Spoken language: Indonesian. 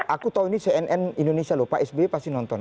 aku tahu ini cnn indonesia lho pak sby pasti nonton